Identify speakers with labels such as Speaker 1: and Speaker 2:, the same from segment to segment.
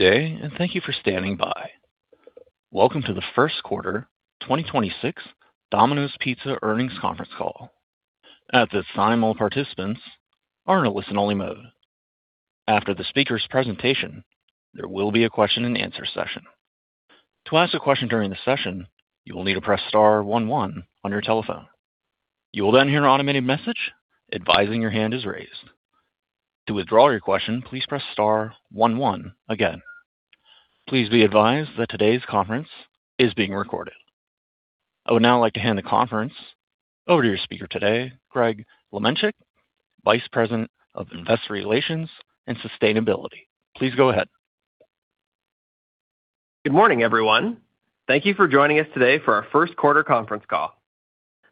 Speaker 1: Day, and thank you for standing by. Welcome to the first quarter 2026 Domino's Pizza earnings conference call. At this time, all participants are in a listen-only mode. After the speaker's presentation, there will be a question-and-answer session. To ask a question during the session, you will need to press star one one on your telephone. You will then hear an automated message advising your hand is raised. To withdraw your question, please press star one one again. Please be advised that today's conference is being recorded. I would now like to hand the conference over to your speaker today, Greg Lemenchick, Vice President of Investor Relations and Sustainability. Please go ahead.
Speaker 2: Good morning, everyone. Thank you for joining us today for our first quarter conference call.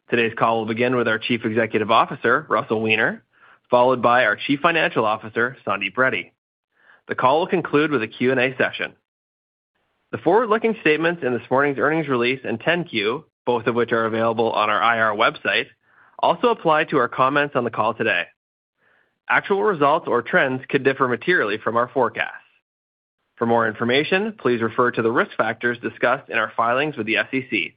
Speaker 2: Today's call will begin with our Chief Executive Officer, Russell Weiner, followed by our Chief Financial Officer, Sandeep Reddy. The call will conclude with a Q&A session. The forward-looking statements in this morning's earnings release and Form 10-Q, both of which are available on our IR website, also apply to our comments on the call today. Actual results or trends could differ materially from our forecasts. For more information, please refer to the risk factors discussed in our filings with the SEC.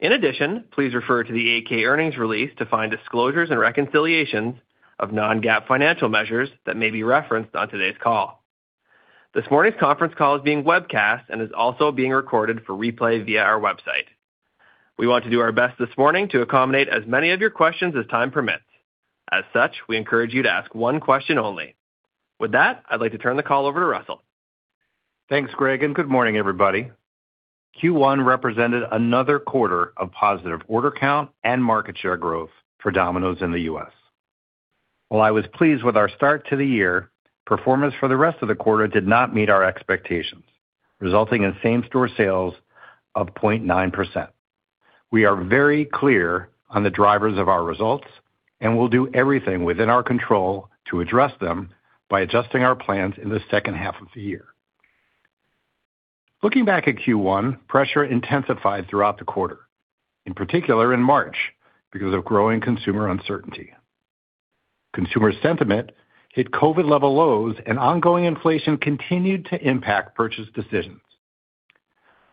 Speaker 2: In addition, please refer to the Form 8-K earnings release to find disclosures and reconciliations of non-GAAP financial measures that may be referenced on today's call. This morning's conference call is being webcast and is also being recorded for replay via our website. We want to do our best this morning to accommodate as many of your questions as time permits. As such, we encourage you to ask one question only. With that, I'd like to turn the call over to Russell.
Speaker 3: Thanks, Greg, and good morning, everybody. Q1 represented another quarter of positive order count and market share growth for Domino's in the U.S. While I was pleased with our start to the year, performance for the rest of the quarter did not meet our expectations, resulting in same-store sales of 0.9%. We are very clear on the drivers of our results, and we'll do everything within our control to address them by adjusting our plans in the second half of the year. Looking back at Q1, pressure intensified throughout the quarter, in particular in March because of growing consumer uncertainty. Consumer sentiment hit COVID level lows and ongoing inflation continued to impact purchase decisions.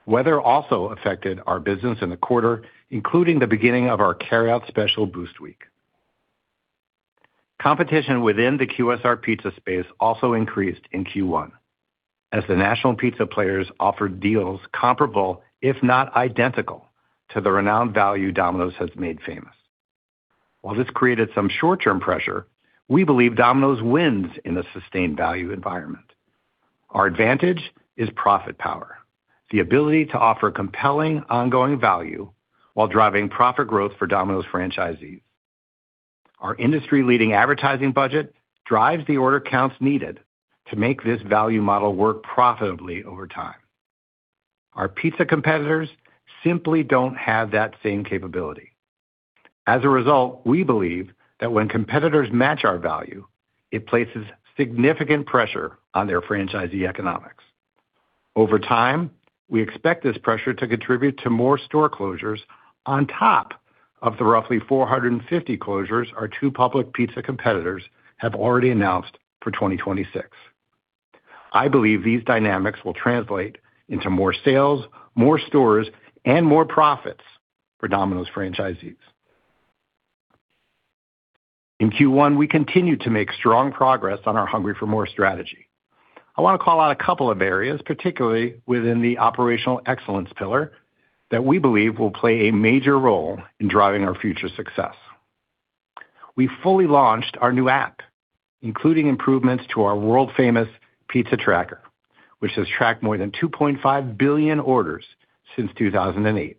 Speaker 3: Weather also affected our business in the quarter, including the beginning of our carryout special boost week. Competition within the QSR pizza space also increased in Q1 as the national pizza players offered deals comparable, if not identical, to the renowned value Domino's has made famous. While this created some short-term pressure, we believe Domino's wins in a sustained value environment. Our advantage is profit power, the ability to offer compelling ongoing value while driving profit growth for Domino's franchisees. Our industry-leading advertising budget drives the order counts needed to make this value model work profitably over time. Our pizza competitors simply don't have that same capability. As a result, we believe that when competitors match our value, it places significant pressure on their franchisee economics. Over time, we expect this pressure to contribute to more store closures on top of the roughly 450 closures our two public pizza competitors have already announced for 2026. I believe these dynamics will translate into more sales, more stores, and more profits for Domino's franchisees. In Q1, we continued to make strong progress on our Hungry for MORE strategy. I want to call out a couple of areas, particularly within the operational excellence pillar, that we believe will play a major role in driving our future success. We fully launched our new app, including improvements to our world-famous Pizza Tracker, which has tracked more than 2.5 billion orders since 2008.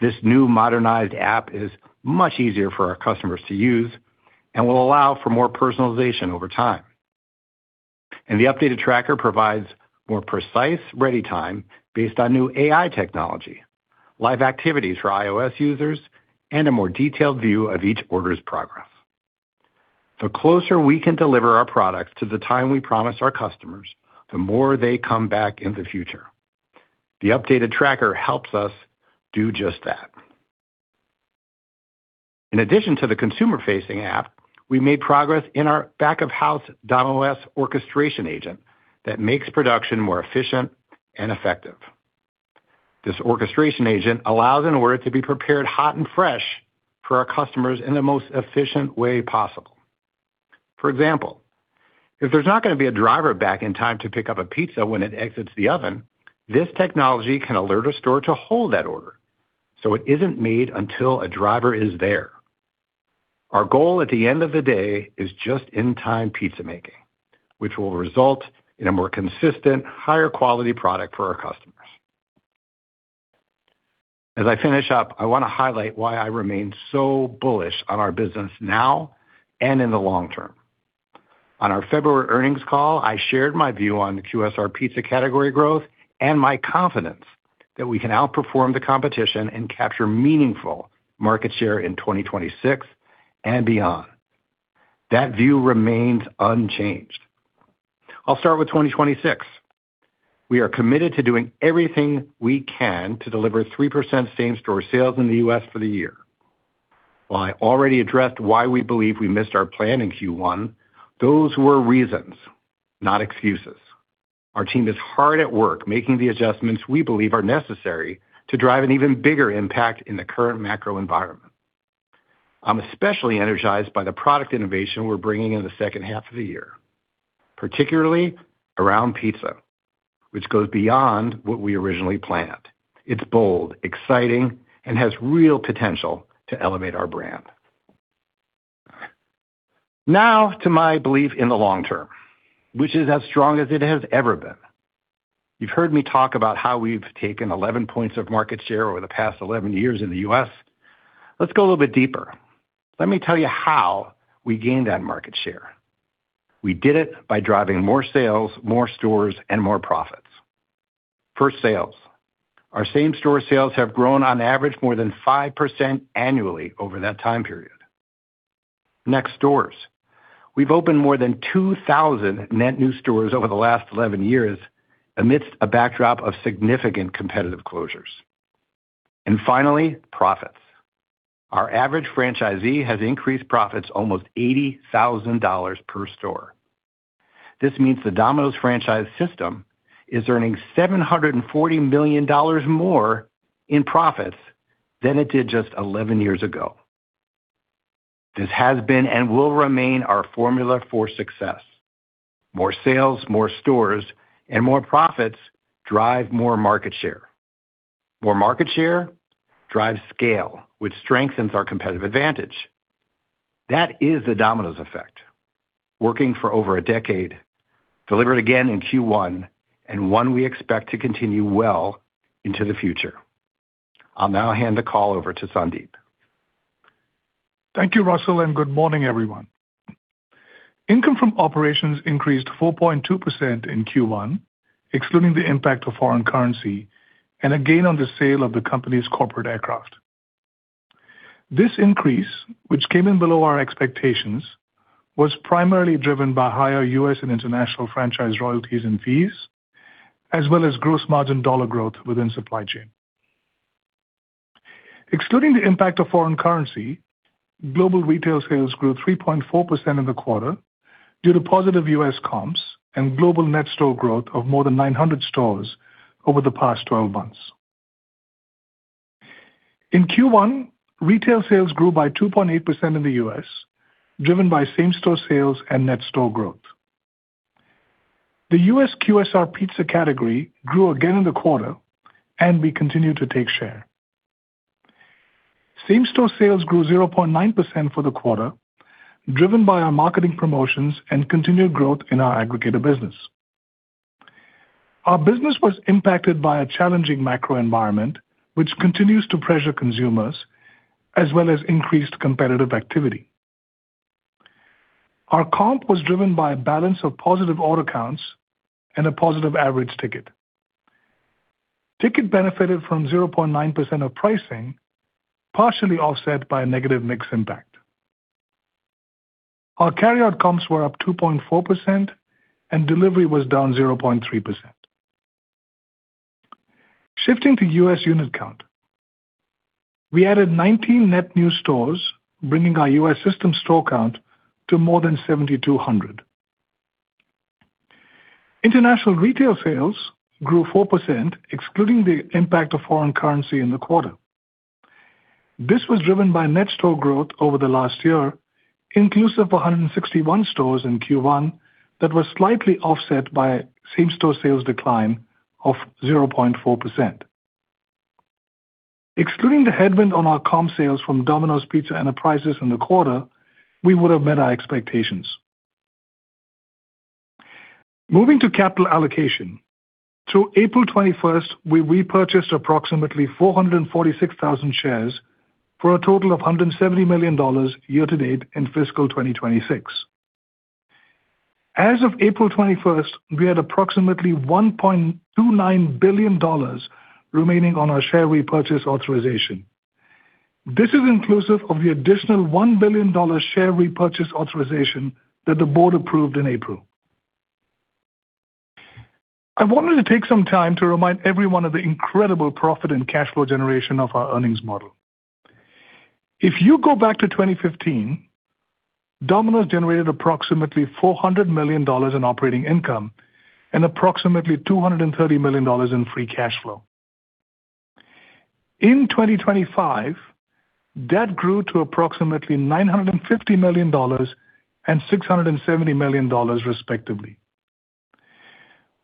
Speaker 3: This new modernized app is much easier for our customers to use and will allow for more personalization over time. The updated tracker provides more precise ready time based on new AI technology, live activities for iOS users, and a more detailed view of each order's progress. The closer we can deliver our products to the time we promise our customers, the more they come back in the future. The updated tracker helps us do just that. In addition to the consumer-facing app, we made progress in our back-of-house DomOS orchestration agent that makes production more efficient and effective. This orchestration agent allows an order to be prepared hot and fresh for our customers in the most efficient way possible. For example, if there's not gonna be a driver back in time to pick up a pizza when it exits the oven, this technology can alert a store to hold that order, so it isn't made until a driver is there. Our goal at the end of the day is just-in-time pizza making, which will result in a more consistent, higher quality product for our customers. As I finish up, I want to highlight why I remain so bullish on our business now and in the long term. On our February earnings call, I shared my view on QSR pizza category growth and my confidence that we can outperform the competition and capture meaningful market share in 2026 and beyond. That view remains unchanged. I'll start with 2026. We are committed to doing everything we can to deliver 3% same-store sales in the U.S. for the year. While I already addressed why we believe we missed our plan in Q1, those were reasons, not excuses. Our team is hard at work making the adjustments we believe are necessary to drive an even bigger impact in the current macro environment. I'm especially energized by the product innovation we're bringing in the second half of the year, particularly around pizza, which goes beyond what we originally planned. It's bold, exciting, and has real potential to elevate our brand. Now to my belief in the long term, which is as strong as it has ever been. You've heard me talk about how we've taken 11 points of market share over the past 11 years in the U.S. Let's go a little bit deeper. Let me tell you how we gained that market share. We did it by driving more sales, more stores, and more profits. First, sales. Our same store sales have grown on average more than 5% annually over that time period. Next, stores. We've opened more than 2,000 net new stores over the last 11 years amidst a backdrop of significant competitive closures. Finally, profits. Our average franchisee has increased profits almost $80,000 per store. This means the Domino's franchise system is earning $740 million more in profits than it did just 11 years ago. This has been and will remain our formula for success. More sales, more stores, and more profits drive more market share. More market share drives scale, which strengthens our competitive advantage. That is the Domino's effect, working for over a decade, delivered again in Q1, and one we expect to continue well into the future. I'll now hand the call over to Sandeep.
Speaker 4: Thank you, Russell, and good morning, everyone. Income from operations increased 4.2% in Q1, excluding the impact of foreign currency and a gain on the sale of the company's corporate aircraft. This increase, which came in below our expectations, was primarily driven by higher U.S. and international franchise royalties and fees, as well as gross margin dollar growth within supply chain. Excluding the impact of foreign currency, global retail sales grew 3.4% in the quarter due to positive U.S. comps and global net store growth of more than 900 stores over the past 12 months. In Q1, retail sales grew by 2.8% in the U.S., driven by same-store sales and net store growth. The U.S. QSR pizza category grew again in the quarter and we continued to take share. Same-store sales grew 0.9% for the quarter, driven by our marketing promotions and continued growth in our aggregator business. Our business was impacted by a challenging macro environment, which continues to pressure consumers, as well as increased competitive activity. Our comp was driven by a balance of positive order counts and a positive average ticket. Ticket benefited from 0.9% of pricing, partially offset by a negative mix impact. Our carryout comps were up 2.4% and delivery was down 0.3%. Shifting to U.S. unit count. We added 19 net new stores, bringing our U.S. system store count to more than 7,200. International retail sales grew 4%, excluding the impact of foreign currency in the quarter. This was driven by net store growth over the last year, inclusive of 161 stores in Q1 that were slightly offset by same-store sales decline of 0.4%. Excluding the headwind on our comp sales from Domino's Pizza Enterprises in the quarter, we would have met our expectations. Moving to capital allocation. Through April 21st, we repurchased approximately 446,000 shares for a total of $170 million year-to-date in fiscal 2026. As of April 21st, we had approximately $1.29 billion remaining on our share repurchase authorization. This is inclusive of the additional $1 billion share repurchase authorization that the board approved in April. I wanted to take some time to remind everyone of the incredible profit and cash flow generation of our earnings model. If you go back to 2015, Domino's generated approximately $400 million in operating income and approximately $230 million in free cash flow. In 2025, that grew to approximately $950 million and $670 million, respectively.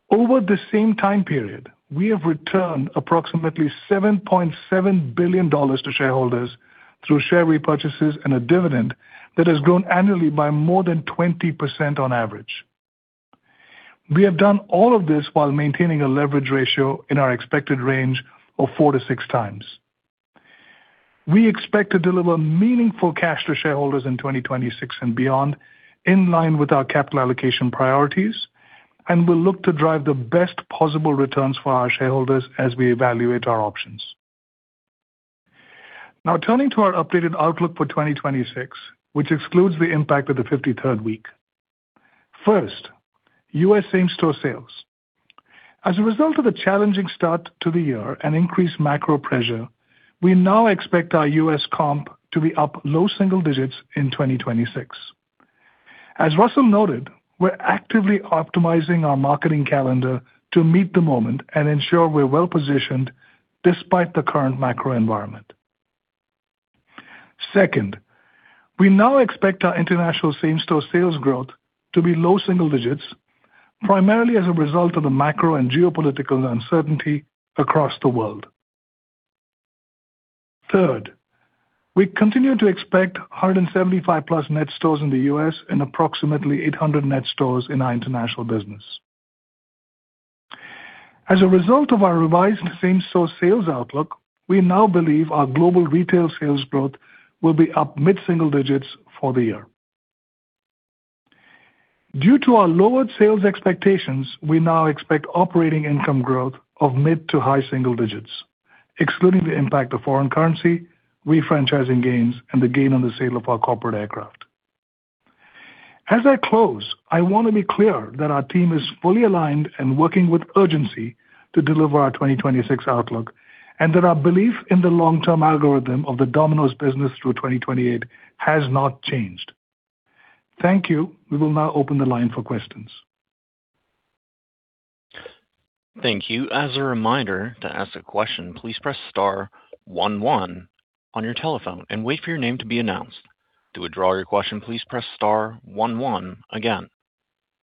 Speaker 4: Over the same time period, we have returned approximately $7.7 billion to shareholders through share repurchases and a dividend that has grown annually by more than 20% on average. We have done all of this while maintaining a leverage ratio in our expected range of 4x-6x. We expect to deliver meaningful cash to shareholders in 2026 and beyond, in line with our capital allocation priorities, and we'll look to drive the best possible returns for our shareholders as we evaluate our options. Now turning to our updated outlook for 2026, which excludes the impact of the 53rd week. First, U.S. same-store sales. As a result of the challenging start to the year and increased macro pressure, we now expect our U.S. comp to be up low single digits in 2026. As Russell noted, we're actively optimizing our marketing calendar to meet the moment and ensure we're well-positioned despite the current macro environment. Second, we now expect our international same-store sales growth to be low single digits, primarily as a result of the macro and geopolitical uncertainty across the world. Third, we continue to expect 175+ net stores in the U.S. and approximately 800 net stores in our international business. As a result of our revised same-store sales outlook, we now believe our global retail sales growth will be up mid-single digits for the year. Due to our lowered sales expectations, we now expect operating income growth of mid- to high-single digits, excluding the impact of foreign currency, refranchising gains, and the gain on the sale of our corporate aircraft. As I close, I want to be clear that our team is fully aligned and working with urgency to deliver our 2026 outlook and that our belief in the long-term algorithm of the Domino's business through 2028 has not changed. Thank you. We will now open the line for questions.
Speaker 1: Thank you. As a reminder, to ask a question, please press star one one on your telephone and wait for your name to be announced. To withdraw your question, please press star one one again.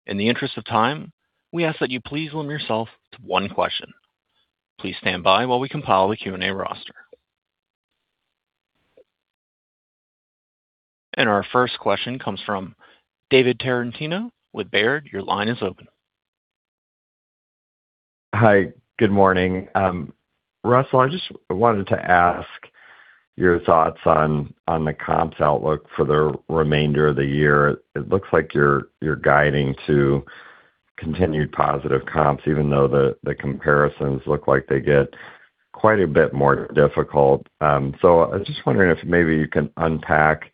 Speaker 1: In the interest of time, we ask that you please limit yourself to one question. Please stand by while we compile the Q&A roster. Our first question comes from David Tarantino with Baird. Your line is open.
Speaker 5: Hi. Good morning. Russell, I just wanted to ask your thoughts on the comps outlook for the remainder of the year. It looks like you're guiding to continued positive comps, even though the comparisons look like they get quite a bit more difficult. So I was just wondering if maybe you can unpack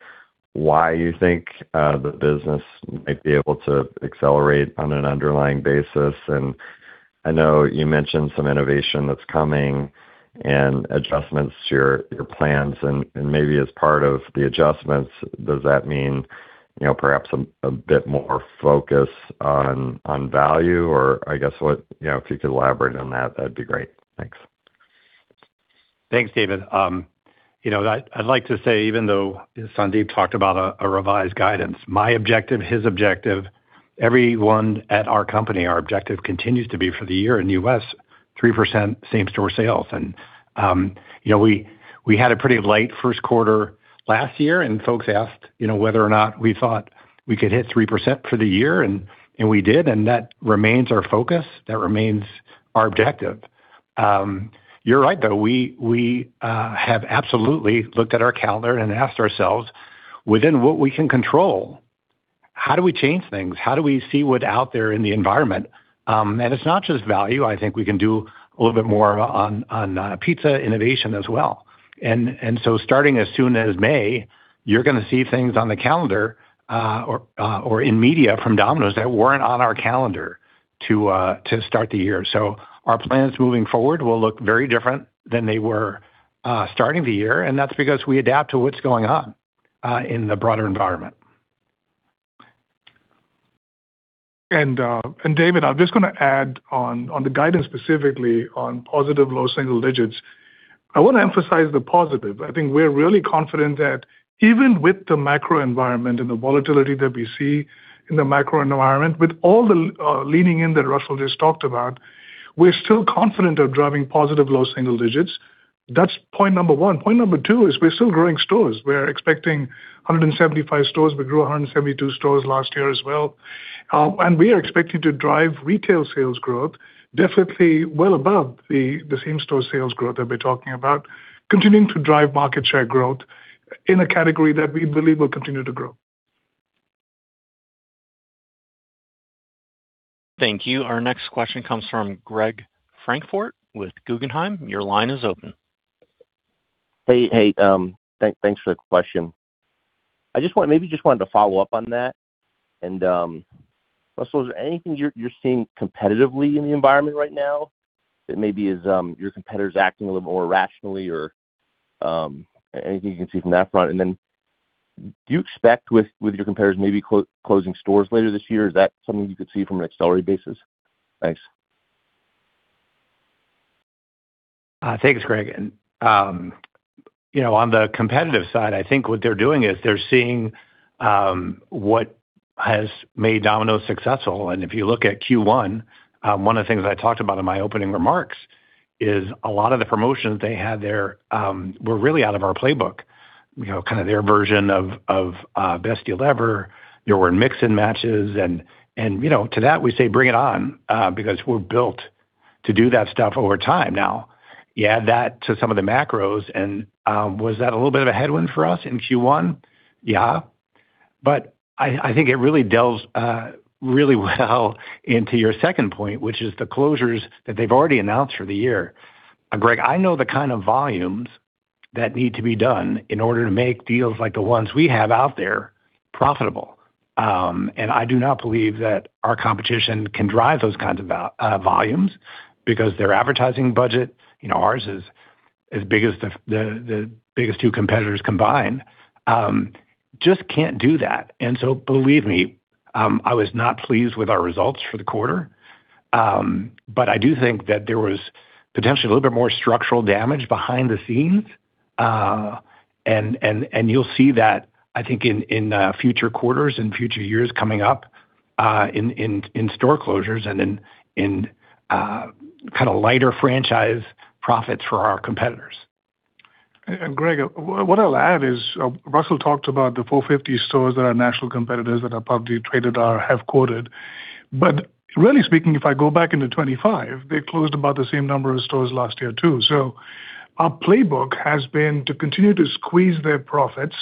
Speaker 5: why you think the business might be able to accelerate on an underlying basis. I know you mentioned some innovation that's coming and adjustments to your plans and maybe as part of the adjustments, does that mean, you know, perhaps a bit more focus on value? Or I guess what, you know, if you could elaborate on that'd be great. Thanks.
Speaker 3: Thanks, David. You know, I'd like to say, even though Sandeep talked about a revised guidance, my objective, his objective, everyone at our company, our objective continues to be for the year in the U.S., 3% same-store sales. We had a pretty light first quarter last year, and folks asked, you know, whether or not we thought we could hit 3% for the year and we did, and that remains our focus. That remains our objective. You're right, though, we have absolutely looked at our calendar and asked ourselves, within what we can control, how do we change things? How do we see what's out there in the environment? It's not just value. I think we can do a little bit more on pizza innovation as well. Starting as soon as May, you're gonna see things on the calendar or in media from Domino's that weren't on our calendar to start the year. Our plans moving forward will look very different than they were starting the year, and that's because we adapt to what's going on in the broader environment.
Speaker 4: David, I'm just gonna add on the guidance, specifically on positive low single digits. I wanna emphasize the positive. I think we're really confident that even with the macro environment and the volatility that we see in the macro environment, with all the leaning in that Russell just talked about, we're still confident of driving positive low single digits. That's point number one. Point number two is we're still growing stores. We're expecting 175 stores. We grew 172 stores last year as well. We are expecting to drive retail sales growth definitely well above the same-store sales growth that we're talking about, continuing to drive market share growth in a category that we believe will continue to grow.
Speaker 1: Thank you. Our next question comes from Greg Francfort with Guggenheim. Your line is open.
Speaker 6: Hey, hey. Thanks for the question. I just wanted to follow up on that. Russell, is there anything you're seeing competitively in the environment right now that maybe is your competitors acting a little more rationally or anything you can see from that front? Then do you expect with your competitors maybe closing stores later this year? Is that something you could see from an accelerated basis? Thanks.
Speaker 3: Thanks, Greg. You know, on the competitive side, I think what they're doing is they're seeing what has made Domino's successful. If you look at Q1, one of the things I talked about in my opening remarks is a lot of the promotions they had there were really out of our playbook. You know, kind of their version of Best Deal Ever. There were Mix and Matches and, you know, to that we say bring it on, because we're built to do that stuff over time now. You add that to some of the macros and, was that a little bit of a headwind for us in Q1? Yeah. I think it delves really well into your second point, which is the closures that they've already announced for the year. Greg, I know the kind of volumes that need to be done in order to make deals like the ones we have out there profitable. I do not believe that our competition can drive those kinds of volumes because their advertising budget, you know, ours is as big as the biggest two competitors combined, just can't do that. Believe me, I was not pleased with our results for the quarter. I do think that there was potentially a little bit more structural damage behind the scenes. You'll see that I think in future quarters and future years coming up, in store closures and kinda lighter franchise profits for our competitors.
Speaker 4: Greg, what I'll add is, Russell talked about the 450 stores that our national competitors that are publicly traded are have [corded]. Really speaking, if I go back into 2025, they closed about the same number of stores last year too. Our playbook has been to continue to squeeze their profits.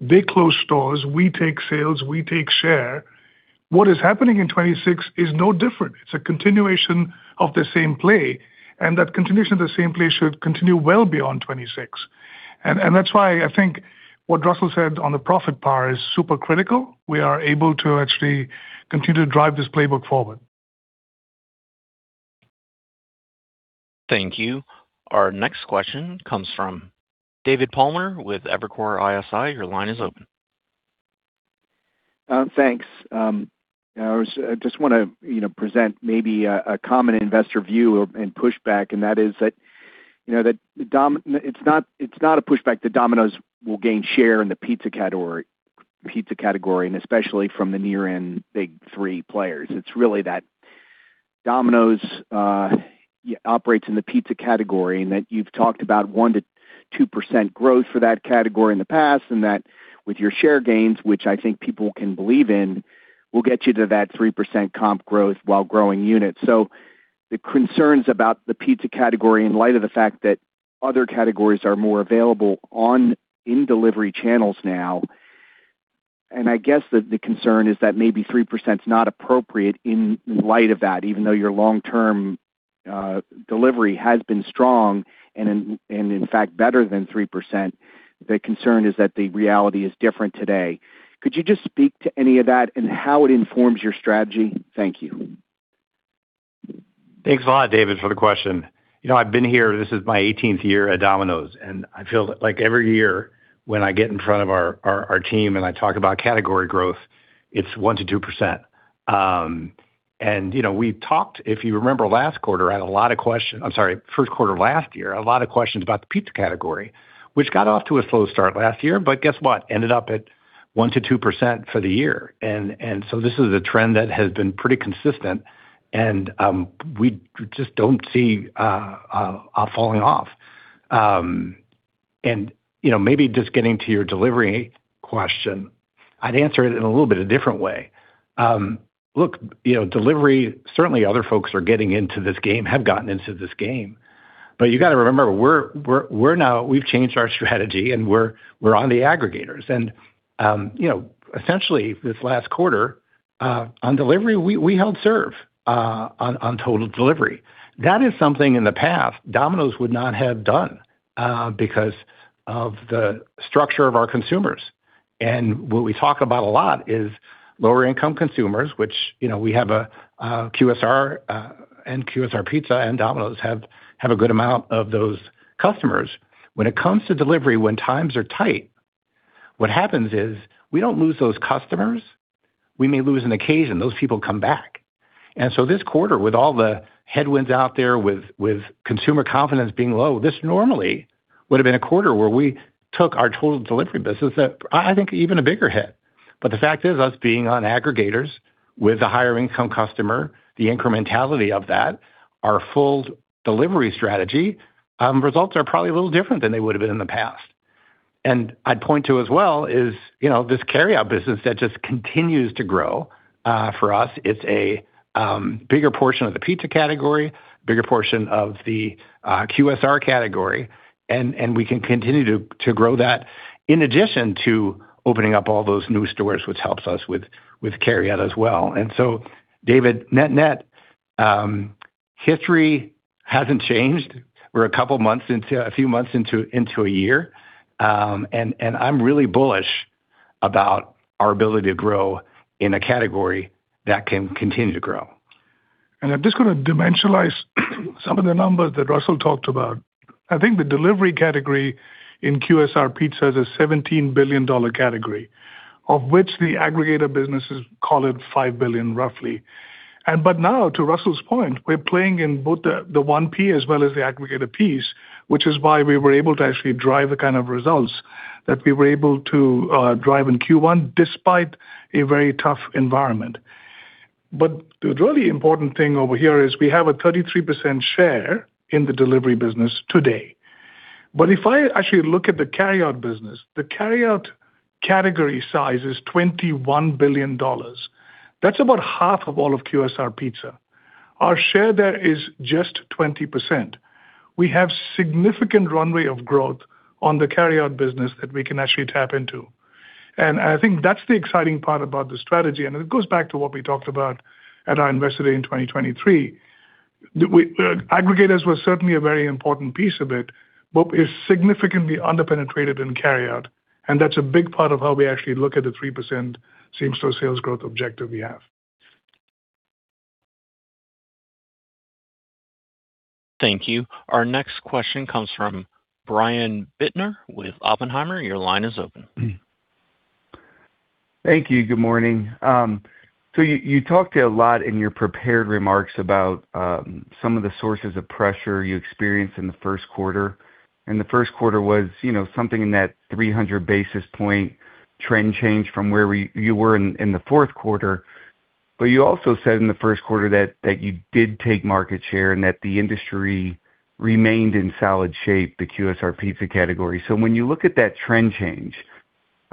Speaker 4: They close stores, we take sales, we take share. What is happening in 2026 is no different. It's a continuation of the same play, and that continuation of the same play should continue well beyond 2026. That's why I think what Russell said on the profit part is super critical. We are able to actually continue to drive this playbook forward.
Speaker 1: Thank you. Our next question comes from David Palmer with Evercore ISI. Your line is open.
Speaker 7: Thanks. I just wanna, you know, present maybe a common investor view and push back, and that is that, you know, it's not a pushback that Domino's will gain share in the pizza category, and especially from the near-end big three players. It's really that Domino's operates in the pizza category, and that you've talked about 1%-2% growth for that category in the past, and that with your share gains, which I think people can believe in, will get you to that 3% comp growth while growing units. The concerns about the pizza category in light of the fact that other categories are more available online in delivery channels now, and I guess the concern is that maybe 3% is not appropriate in light of that, even though your long-term delivery has been strong and in fact better than 3%, the concern is that the reality is different today. Could you just speak to any of that and how it informs your strategy? Thank you.
Speaker 3: Thanks a lot, David, for the question. You know, I've been here, this is my 18th year at Domino's, and I feel like every year when I get in front of our team and I talk about category growth, it's 1%-2%. You know, we've talked, if you remember first quarter last year, I had a lot of questions about the pizza category, which got off to a slow start last year, but guess what, ended up at 1%-2% for the year. So this is a trend that has been pretty consistent, and we just don't see falling off. You know, maybe just getting to your delivery question, I'd answer it in a little bit a different way. Look, you know, delivery, certainly other folks are getting into this game, have gotten into this game. You gotta remember, we've changed our strategy and we're on the aggregators. You know, essentially this last quarter, on delivery, we held serve on total delivery. That is something in the past Domino's would not have done, because of the structure of our consumers. What we talk about a lot is lower income consumers, which, you know, we have a QSR and QSR Pizza and Domino's have a good amount of those customers. When it comes to delivery, when times are tight, what happens is we don't lose those customers. We may lose an occasion. Those people come back. This quarter, with all the headwinds out there with consumer confidence being low, this normally would've been a quarter where we took our total delivery business at, I think, even a bigger hit. The fact is, us being on aggregators with a higher income customer, the incrementality of that, our full delivery strategy results are probably a little different than they would've been in the past. I'd point to as well is, you know, this carryout business that just continues to grow for us. It's a bigger portion of the pizza category, bigger portion of the QSR category, and we can continue to grow that in addition to opening up all those new stores, which helps us with carryout as well. David, net-net, history hasn't changed. We're a few months into a year, and I'm really bullish about our ability to grow in a category that can continue to grow.
Speaker 4: I'm just gonna dimensionalize some of the numbers that Russell talked about. I think the delivery category in QSR Pizza is a $17 billion category, of which the aggregator businesses call it $5 billion, roughly. Now, to Russell's point, we're playing in both the 1P as well as the aggregator Ps, which is why we were able to actually drive the kind of results that we were able to drive in Q1 despite a very tough environment. The really important thing over here is we have a 33% share in the delivery business today. If I actually look at the carryout business, the carryout category size is $21 billion. That's about half of all of QSR Pizza. Our share there is just 20%. We have significant runway of growth on the carryout business that we can actually tap into. I think that's the exciting part about the strategy, and it goes back to what we talked about at our Investor Day in 2023. Aggregators were certainly a very important piece of it, but it's significantly under-penetrated in carryout, and that's a big part of how we actually look at the 3% same-store sales growth objective we have.
Speaker 1: Thank you. Our next question comes from Brian Bittner with Oppenheimer. Your line is open.
Speaker 8: Thank you. Good morning. You talked a lot in your prepared remarks about some of the sources of pressure you experienced in the first quarter, and the first quarter was, you know, something in that 300 basis points trend change from where you were in the fourth quarter. You also said in the first quarter that you did take market share and that the industry remained in solid shape, the QSR pizza category. When you look at that trend change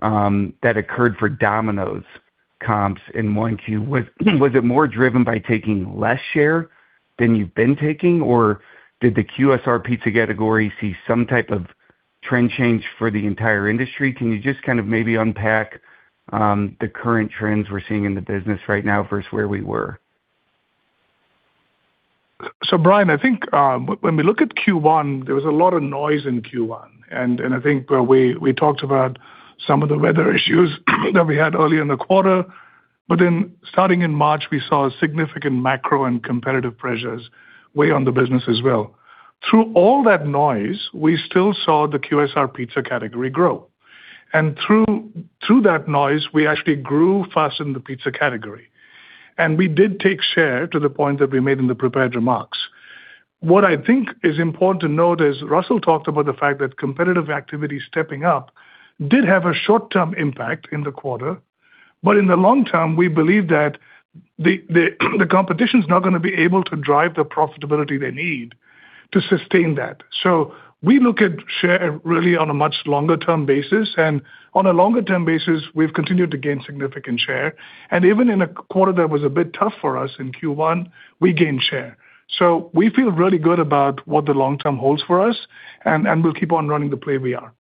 Speaker 8: that occurred for Domino's comps in 1Q, was it more driven by taking less share than you've been taking? Or did the QSR pizza category see some type of trend change for the entire industry? Can you just kind of maybe unpack the current trends we're seeing in the business right now versus where we were?
Speaker 4: Brian, I think when we look at Q1, there was a lot of noise in Q1. I think, the way we talked about some of the weather issues that we had early in the quarter. Then starting in March, we saw significant macro and competitive pressures weigh on the business as well. Through all that noise, we still saw the QSR pizza category grow. Through that noise, we actually grew faster than the pizza category. We did take share to the point that we made in the prepared remarks. What I think is important to note is Russell talked about the fact that competitive activity stepping up did have a short-term impact in the quarter. In the long term, we believe that the competition's not gonna be able to drive the profitability they need to sustain that. We look at share really on a much longer term basis, and on a longer term basis, we've continued to gain significant share. Even in a quarter that was a bit tough for us in Q1, we gained share. We feel really good about what the long term holds for us, and we'll keep on running the play we are.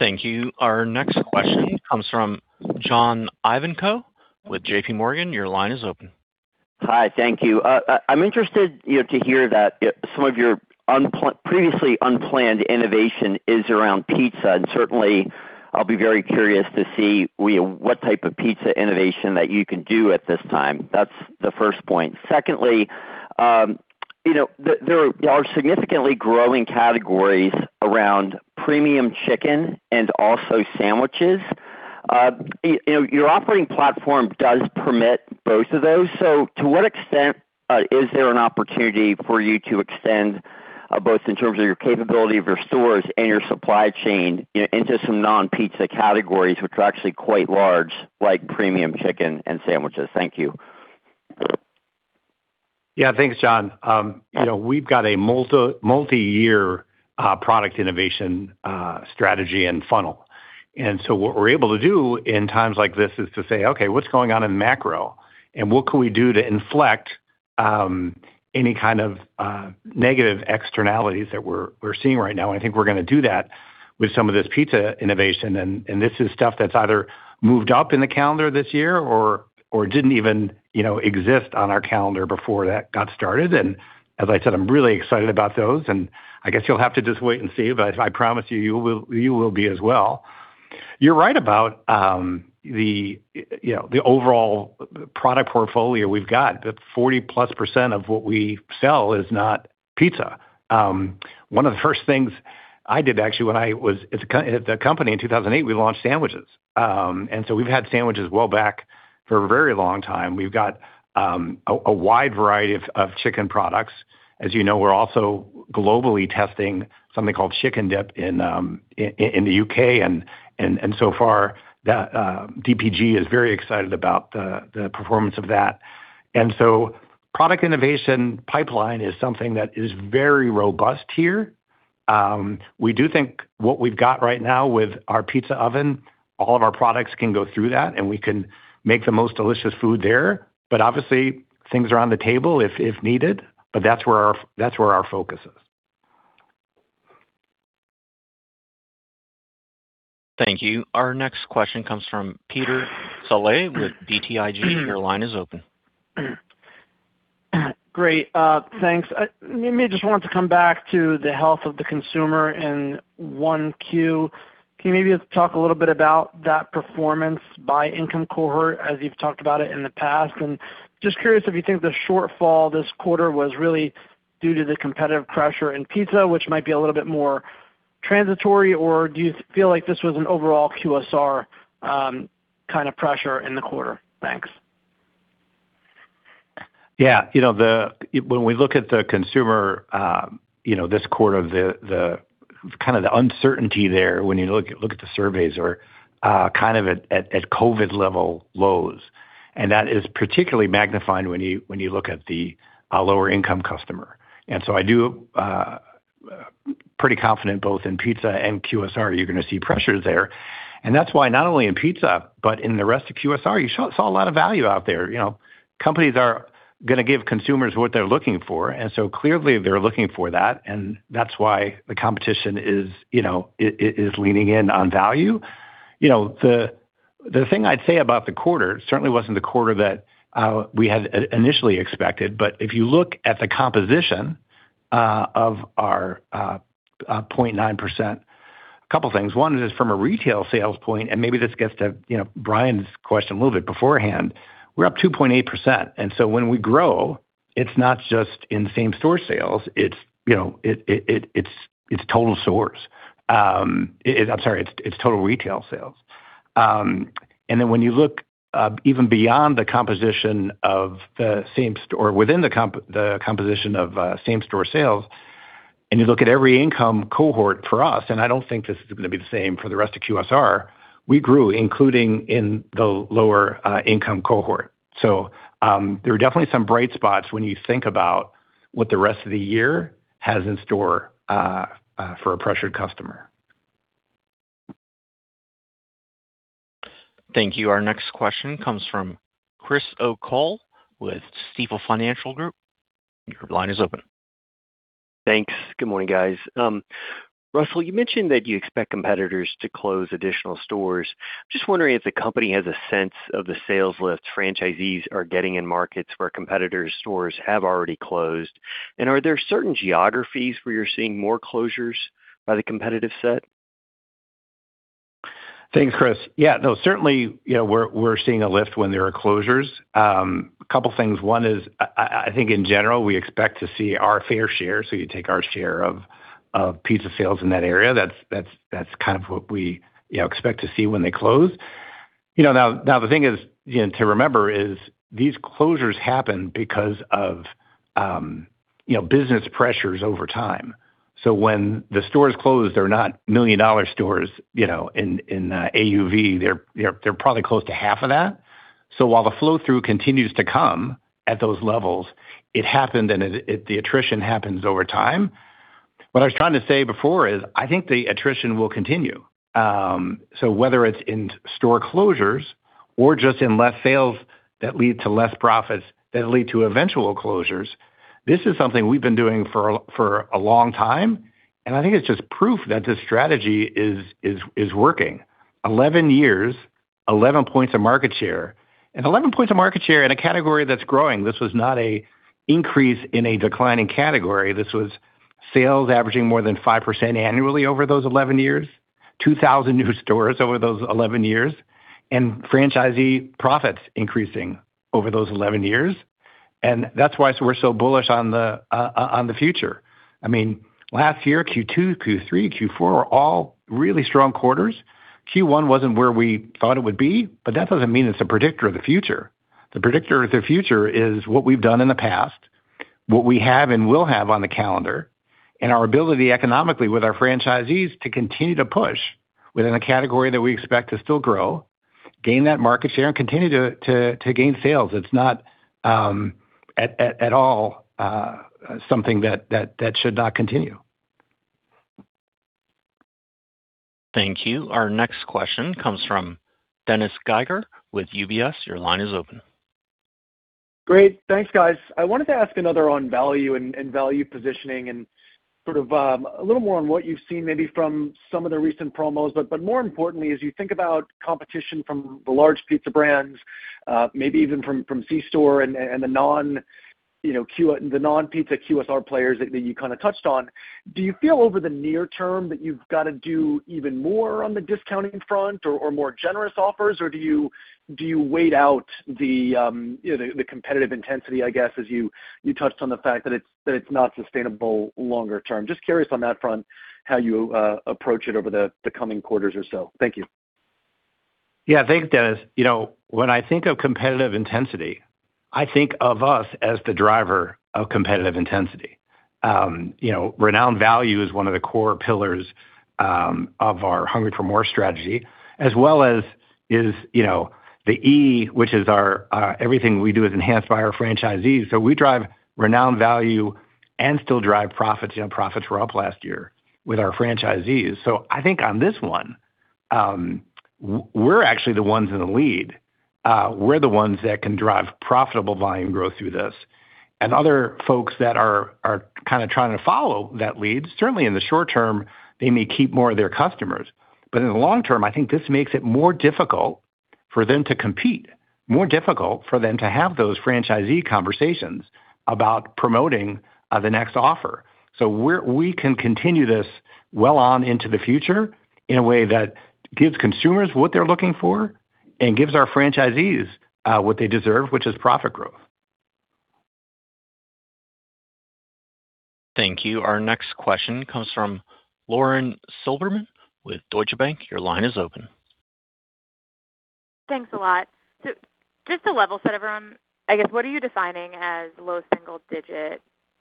Speaker 1: Thank you. Our next question comes from John Ivankoe with JPMorgan. Your line is open.
Speaker 9: Hi. Thank you. I'm interested, you know, to hear that some of your previously unplanned innovation is around pizza. Certainly I'll be very curious to see what type of pizza innovation that you can do at this time. That's the first point. Secondly, you know, there are significantly growing categories around premium chicken and also sandwiches. You know, your operating platform does permit both of those. To what extent is there an opportunity for you to extend both in terms of your capability of your stores and your supply chain into some non-pizza categories, which are actually quite large, like premium chicken and sandwiches? Thank you.
Speaker 3: Yeah. Thanks, John. You know, we've got a multi-year product innovation strategy and funnel. What we're able to do in times like this is to say, "Okay, what's going on in macro? And what can we do to inflect any kind of negative externalities that we're seeing right now?" I think we're gonna do that with some of this pizza innovation, and this is stuff that's either moved up in the calendar this year or didn't even, you know, exist on our calendar before that got started. As I said, I'm really excited about those, and I guess you'll have to just wait and see. I promise you will be as well. You're right about, you know, the overall product portfolio we've got. The 40%+ of what we sell is not pizza. One of the first things I did actually when I was at the company in 2008, we launched sandwiches. We've had sandwiches roll back for a very long time. We've got a wide variety of chicken products. As you know, we're also globally testing something called CHICK 'N' DIP in the U.K. and so far, that DPG is very excited about the performance of that. Product innovation pipeline is something that is very robust here. We do think what we've got right now with our pizza oven, all of our products can go through that, and we can make the most delicious food there. Obviously, things are on the table if needed, but that's where our focus is.
Speaker 1: Thank you. Our next question comes from Peter Saleh with BTIG. Your line is open.
Speaker 10: Great. Thanks. Let me just wanted to come back to the health of the consumer in 1Q. Can you maybe just talk a little bit about that performance by income cohort as you've talked about it in the past? Just curious if you think the shortfall this quarter was really due to the competitive pressure in pizza, which might be a little bit more transitory, or do you feel like this was an overall QSR kind of pressure in the quarter? Thanks.
Speaker 3: When we look at the consumer, you know, this quarter, the kind of uncertainty there when you look at the surveys are kind of at COVID level lows. That is particularly magnified when you look at the lower income customer. I'm pretty confident both in pizza and QSR, you're gonna see pressures there. That's why not only in pizza, but in the rest of QSR, you saw a lot of value out there. You know, companies are going to give consumers what they're looking for. Clearly they're looking for that, and that's why the competition is, you know, is leaning in on value. You know, the thing I'd say about the quarter, it certainly wasn't the quarter that we had initially expected. If you look at the composition of our 0.9%, a couple of things. One is from a retail sales point, and maybe this gets to, you know, Brian's question a little bit beforehand, we're up 2.8%. When we grow, it's not just in same-store sales, it's, you know, it's total retail sales. When you look even beyond the composition of the same store within the composition of same-store sales, and you look at every income cohort for us, and I don't think this is going to be the same for the rest of QSR, we grew, including in the lower income cohort. There are definitely some bright spots when you think about what the rest of the year has in store for a pressured customer.
Speaker 1: Thank you. Our next question comes from Chris O'Cull with Stifel Financial Group. Your line is open.
Speaker 11: Thanks. Good morning, guys. Russell, you mentioned that you expect competitors to close additional stores. Just wondering if the company has a sense of the sales lift franchisees are getting in markets where competitors' stores have already closed. Are there certain geographies where you're seeing more closures by the competitive set?
Speaker 3: Thanks, Chris. Yeah. No, certainly, you know, we're seeing a lift when there are closures. A couple of things. One is I think in general, we expect to see our fair share. You take our share of pizza sales in that area, that's kind of what we, you know, expect to see when they close. You know, now the thing is, you know, to remember is these closures happen because of, you know, business pressures over time. When the stores close, they're not million-dollar stores, you know, in AUV, they're probably close to half of that. While the flow-through continues to come at those levels, it happened and the attrition happens over time. What I was trying to say before is I think the attrition will continue. Whether it's in-store closures or just in less sales that lead to less profits that lead to eventual closures, this is something we've been doing for a long time, and I think it's just proof that this strategy is working. 11 years, 11 points of market share. 11 points of market share in a category that's growing. This was not an increase in a declining category. This was sales averaging more than 5% annually over those 11 years, 2,000 new stores over those 11 years, and franchisee profits increasing over those 11 years. That's why we're so bullish on the future. I mean, last year, Q2, Q3, Q4 were all really strong quarters. Q1 wasn't where we thought it would be, but that doesn't mean it's a predictor of the future. The predictor of the future is what we've done in the past, what we have and will have on the calendar, and our ability economically with our franchisees to continue to push within a category that we expect to still grow, gain that market share, and continue to gain sales. It's not at all something that should not continue.
Speaker 1: Thank you. Our next question comes from Dennis Geiger with UBS. Your line is open.
Speaker 12: Great. Thanks, guys. I wanted to ask another on value and value positioning and sort of a little more on what you've seen maybe from some of the recent promos. But more importantly, as you think about competition from the large pizza brands, maybe even from C-store and the non-pizza QSR players that you kind of touched on, do you feel over the near term that you've got to do even more on the discounting front or more generous offers? Or do you wait out the competitive intensity, as you touched on the fact that it's not sustainable longer term? Just curious on that front, how you approach it over the coming quarters or so. Thank you.
Speaker 3: Yeah. Thanks, Dennis. You know, when I think of competitive intensity, I think of us as the driver of competitive intensity. You know, renowned value is one of the core pillars of our Hungry for MORE strategy, as well as the E, which is our everything we do is enhanced by our franchisees. We drive renowned value and still drive profits. You know, profits were up last year with our franchisees. I think on this one, we're actually the ones in the lead. We're the ones that can drive profitable volume growth through this. Other folks that are kind of trying to follow that lead, certainly in the short term, they may keep more of their customers. In the long term, I think this makes it more difficult for them to compete, more difficult for them to have those franchisee conversations about promoting the next offer. We can continue this well on into the future in a way that gives consumers what they're looking for and gives our franchisees what they deserve, which is profit growth.
Speaker 1: Thank you. Our next question comes from Lauren Silberman with Deutsche Bank. Your line is open.
Speaker 13: Thanks a lot. Just to level set everyone, I guess, what are you defining as low single digit?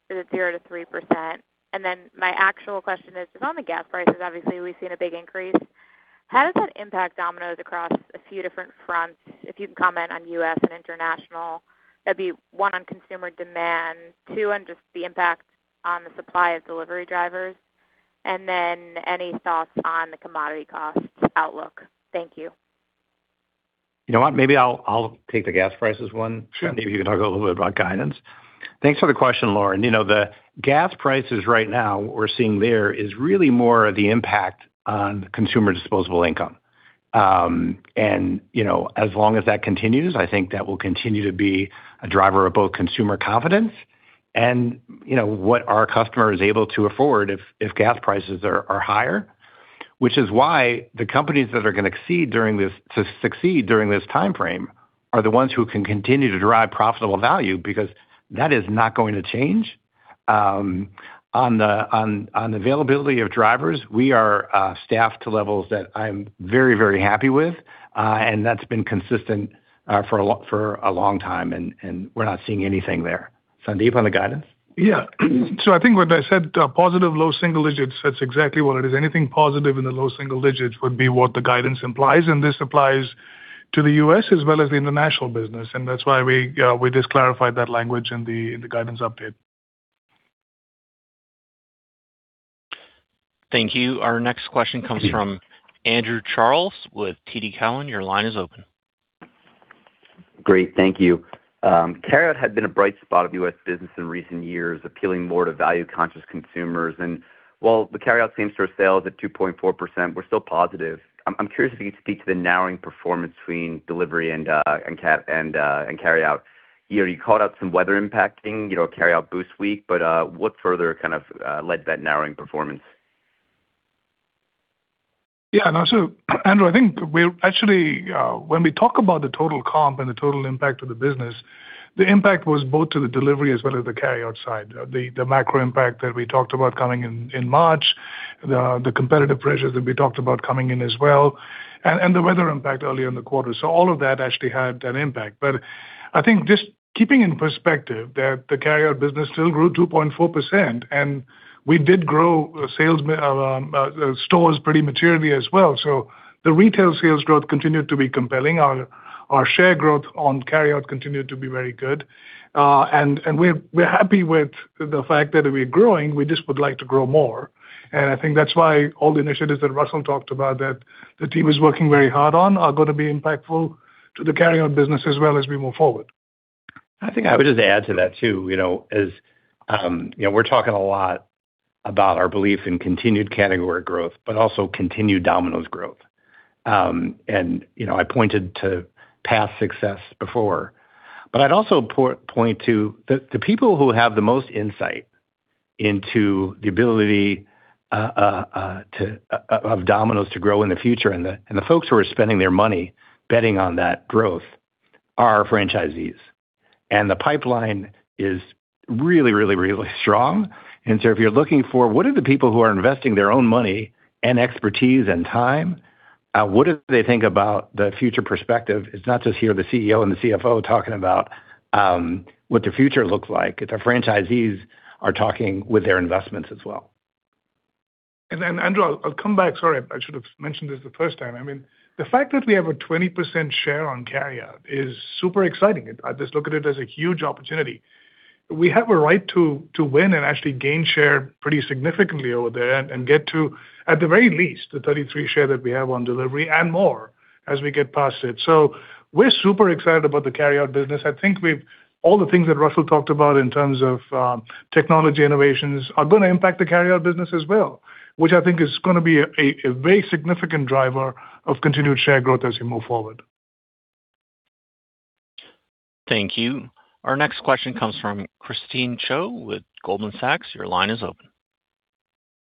Speaker 13: Is it 0%-3%? My actual question is, it's on the gas prices, obviously, we've seen a big increase. How does that impact Domino's across a few different fronts? If you can comment on U.S. and international, that'd be, one, on consumer demand. Two, on just the impact on the supply of delivery drivers. Any thoughts on the commodity costs outlook. Thank you.
Speaker 3: You know what, maybe I'll take the gas prices one.
Speaker 4: Sure.
Speaker 3: Maybe you can talk a little bit about guidance. Thanks for the question, Lauren. You know, the gas prices right now, what we're seeing there is really more of the impact on consumer disposable income. You know, as long as that continues, I think that will continue to be a driver of both consumer confidence and, you know, what our customer is able to afford if gas prices are higher. Which is why the companies that are gonna succeed during this timeframe are the ones who can continue to derive profitable value because that is not going to change. On the availability of drivers, we are staffed to levels that I'm very, very happy with, and that's been consistent for a long time, and we're not seeing anything there. Sandeep, on the guidance?
Speaker 4: Yeah. I think what I said, positive low single digits, that's exactly what it is. Anything positive in the low single digits would be what the guidance implies, and this applies to the U.S. as well as the international business. That's why we just clarified that language in the guidance update.
Speaker 1: Thank you. Our next question comes from Andrew Charles with TD Cowen. Your line is open.
Speaker 14: Great. Thank you. Carryout had been a bright spot of U.S. business in recent years, appealing more to value-conscious consumers. While the carryout same-store sales at 2.4% were still positive, I'm curious if you could speak to the narrowing performance between delivery and carryout. You know, you called out some weather impacting, you know, carryout boost week, but what further kind of led that narrowing performance?
Speaker 4: Yeah, no. Andrew, I think we're actually, when we talk about the total comp and the total impact of the business, the impact was both to the delivery as well as the carryout side. The macro impact that we talked about coming in in March, the competitive pressures that we talked about coming in as well, and the weather impact earlier in the quarter. All of that actually had an impact. I think just keeping in perspective that the carryout business still grew 2.4%, and we did grow sales stores pretty materially as well. The retail sales growth continued to be compelling. Our share growth on carryout continued to be very good. We're happy with the fact that we're growing. We just would like to grow more. I think that's why all the initiatives that Russell talked about that the team is working very hard on are gonna be impactful to the carryout business as well as we move forward.
Speaker 3: I think I would just add to that too, you know, we're talking a lot about our belief in continued category growth, but also continued Domino's growth. You know, I pointed to past success before, but I'd also point to the people who have the most insight into the ability of Domino's to grow in the future, and the folks who are spending their money betting on that growth are franchisees. The pipeline is really, really, really strong. If you're looking for what are the people who are investing their own money and expertise and time, what do they think about the future perspective? It's not just hearing the CEO and the CFO talking about what their future looks like, it's our franchisees are talking with their investments as well.
Speaker 4: Andrew, I'll come back. Sorry, I should have mentioned this the first time. I mean, the fact that we have a 20% share on carryout is super exciting. I just look at it as a huge opportunity. We have a right to win and actually gain share pretty significantly over there and get to, at the very least, the 33% share that we have on delivery and more as we get past it. We're super excited about the carryout business. I think all the things that Russell talked about in terms of technology innovations are gonna impact the carryout business as well, which I think is gonna be a very significant driver of continued share growth as we move forward.
Speaker 1: Thank you. Our next question comes from Christine Cho with Goldman Sachs. Your line is open.